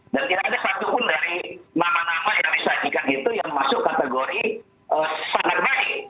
dan tidak ada satupun dari nama nama yang disajikan itu yang masuk kategori sangat baik